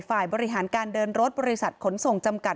ฝ่ายบริหารการเดินรถบริษัทขนส่งจำกัด